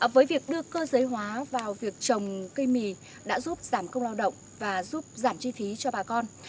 với việc đưa cơ giới hóa vào việc trồng cây mì đã giúp giảm công lao động và giúp giảm chi phí cho bà con